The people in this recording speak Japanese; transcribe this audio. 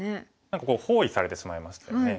何か包囲されてしまいましたよね。